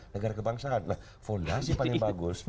negara kebangsaan lah fondasi paling bagus